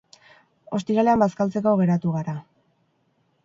Ostiralean bazkaltzeko geratu gara.